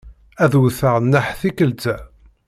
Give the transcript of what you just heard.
Ad wteɣ nneḥ tikkelt-a.